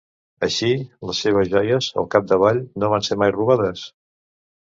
Així, les seves joies, al capdavall, no van ser mai robades?